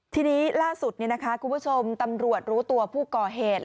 ที่นี้ล่าสุดนะคะคุณผู้ชมโบสถ์รู้ตัวผู้ก่อเหตุ